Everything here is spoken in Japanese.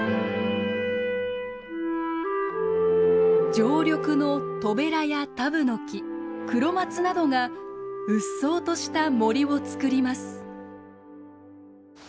常緑のトベラやタブノキクロマツなどがうっそうとした森を作ります。